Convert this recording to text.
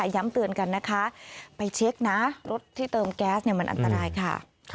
ย้ำเตือนกันนะคะไปเช็คนะรถที่เติมแก๊สมันอันตรายค่ะ